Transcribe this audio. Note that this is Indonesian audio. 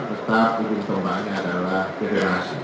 tetap ujung tombaknya adalah federasi